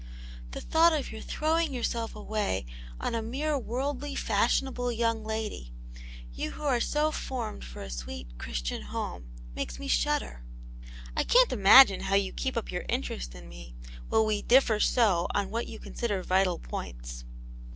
The thought of your throwing yourself away on a mere worldly, fashionable young lady, you who are so formed for a sweet Christian home, makes me shudder." "I can*t imagine how you keep up your interest in me, while we diflfer so on what you consider vital points."